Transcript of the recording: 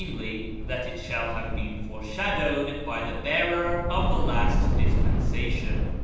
that it shall have been foreshadowed by the bearer of the last dispensation."